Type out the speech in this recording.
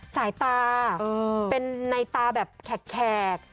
สายตาเป็นในตาแบบแขก